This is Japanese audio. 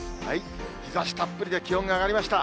日ざしたっぷりで気温が上がりました。